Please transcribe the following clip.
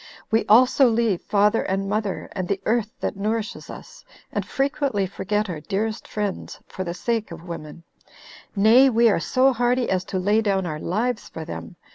We also leave father, and mother, and the earth that nourishes us, and frequently forget our dearest friends, for the sake of women; nay, we are so hardy as to lay down our lives for them.